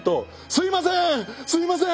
すいません！